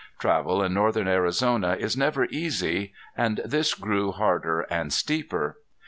Travel in northern Arizona is never easy, and this grew harder and steeper.